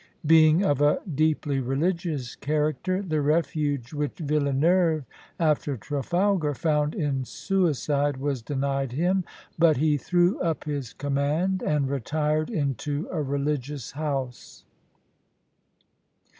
Being of a deeply religious character, the refuge which Villeneuve after Trafalgar found in suicide was denied him; but he threw up his command and retired into a religious house.